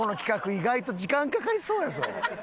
意外と時間かかりそうやぞ。